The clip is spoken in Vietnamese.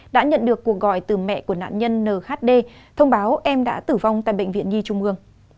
đã nhận được cuộc gọi từ mẹ của nạn nhân nhd thông báo em đã tử vong tại bệnh viện nhi trung ương